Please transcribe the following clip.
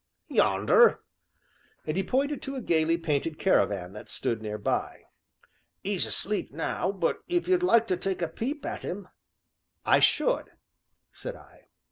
"Yonder!" and he pointed to a gayly painted caravan that stood near by. "'e's asleep now, but if you'd like to take a peep at 'im " "I should," said I.